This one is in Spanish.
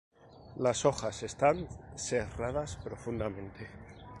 Las hojas están serradas profundamente.